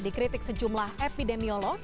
dikritik sejumlah epidemiolog